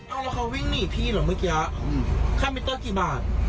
เอาแล้วเขาวิ่งหนีพี่เหรอเมื่อกี้ค่ามิเตอร์กี่บาท